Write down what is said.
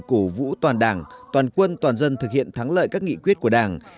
cổ vũ toàn đảng toàn quân toàn dân thực hiện thắng lợi các nghị quyết của đảng